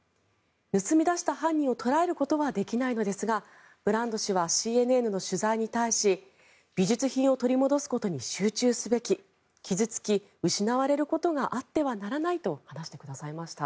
盗み出した犯人を捕らえることはできないのですがブランド氏はＣＮＮの取材に対し美術品を取り戻すことに集中すべき傷付き失われることがあってはならないと話してくださいました。